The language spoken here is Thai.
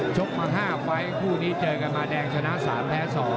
ชกมา๕ไฟล์คู่นี้เจอกันมาแดงชนะ๓แพ้๒